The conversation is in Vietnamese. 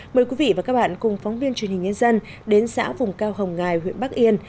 mời quý vị và các bạn cùng phóng viên truyền hình nhân dân đến xã vùng cao hồng ngài huyện bắc yên